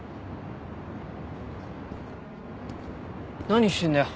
・何してんだよ。